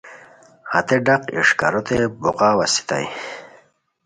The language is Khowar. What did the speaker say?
ہتے ڈاق اݰکاروت بوغاؤ اسیتائے